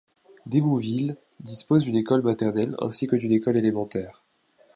Démouville dispose d'une école maternelle ainsi que d'une école élémentaire.